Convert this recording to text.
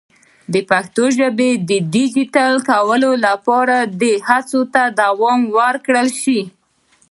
د پښتو ژبې د ډیجیټل کولو لپاره دې هڅو ته دوام ورکړل شي.